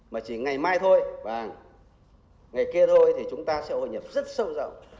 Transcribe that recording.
mà chỉ ngày mai thôi và ngày kia thôi thì chúng ta sẽ hội nhập rất sâu rộng